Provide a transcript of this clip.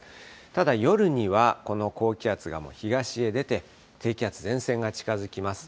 ただ夜には、この高気圧がもう東へ出て、低気圧前線が近づきます。